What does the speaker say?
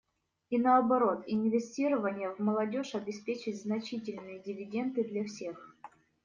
И наоборот, инвестирование в молодежь обеспечит значительные дивиденды для всех.